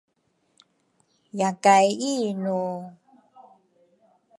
yakay inu?